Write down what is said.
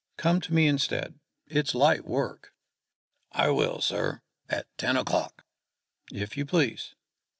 "Come to me instead: it's light work." "I will, sir at ten o'clock." "If you please."